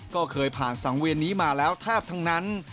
ก็เคยผ่านสังเวียนนี้มาแล้วแทบทั้งนั้น